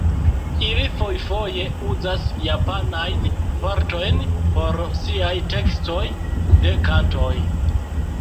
Ili fojfoje uzas japanajn vortojn por siaj tekstoj de kantoj.